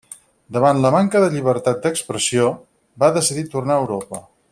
Davant la manca de llibertat d'expressió, va decidir tornar a Europa.